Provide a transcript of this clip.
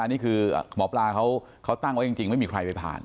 นี่คือหมอปลาเขาตั้งไว้จริงไม่มีใครไปผ่าน